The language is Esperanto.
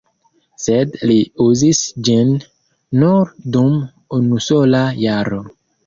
Sed li uzis ĝin nur dum unusola jaro.